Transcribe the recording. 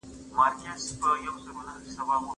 د روغ بدن لپاره د روغ ذهن شتون تر هر څه ډېر اړین دی.